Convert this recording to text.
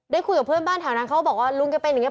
คุยกับเพื่อนบ้านแถวนั้นเขาบอกว่าลุงแกเป็นอย่างนี้